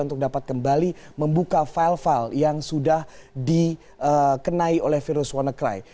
untuk dapat kembali membuka file file yang sudah dikenai oleh virus wannacry